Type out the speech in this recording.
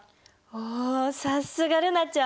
おおさすが瑠菜ちゃん。